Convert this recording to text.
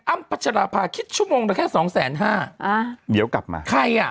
พัชราภาคิดชั่วโมงละแค่สองแสนห้าอ่าเดี๋ยวกลับมาใครอ่ะ